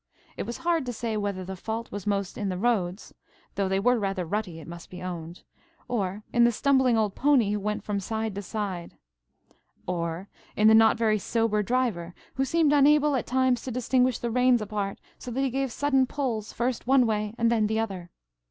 It was hard to say whether the fault was most in the roads,–though they were rather rutty, it must be owned,–or in the stumbling old pony who went from side to side, or in the not very sober driver, who seemed unable at times to distinguish the reins apart, so that he gave sudden pulls, first one way and then the other.